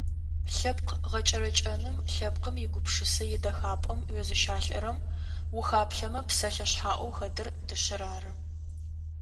Лъэпкъ гъэкӏэрэкӏэным, лъэпкъым игупшысэ идэхапӏэм уезыщалӏэрэм ухаплъэмэ псэлъэ шъхьаӏэу хэтыр - дышъэр ары.